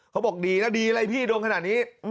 เขาบอกดีแล้วดีอะไรพี่โดนขนาดนี้